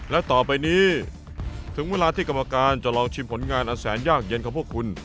และต่อไปนี้ถึงเวลาที่กรรมการจะลองชิมผลงานอันแสนยากเย็นของพวกคุณ